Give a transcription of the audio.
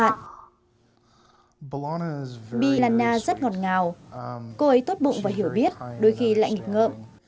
cô ấy tốt bụng và hiểu biết đôi khi lạnh ngợm